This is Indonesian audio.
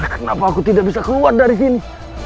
kenapa aku tidak bisa keluar dari sini